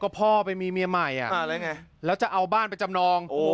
พ่อไปมีเมียใหม่แล้วจะเอาบ้านไปจำนอง